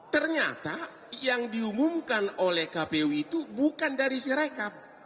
ternyata yang diumumkan oleh kpu itu bukan dari sirekap